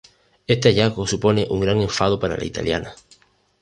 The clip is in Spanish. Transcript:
Este hallazgo supone un gran enfado para la italiana.